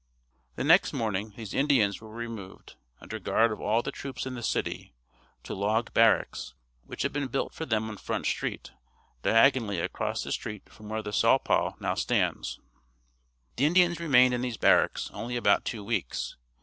The next morning these Indians were removed, under guard of all the troops in the city, to log barracks, which had been built for them on Front Street diagonally across the street from where the Saulpaugh now stands. The Indians remained in these barracks only about two weeks.